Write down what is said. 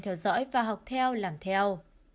theo dõi và học theo làm theo